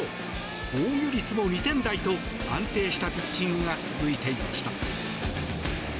防御率も２点台と安定したピッチングが続いていました。